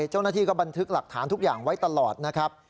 เจ้าหน้าที่ก็บันทึกหลักฐานทุกอย่างไว้ตลอดนะครับ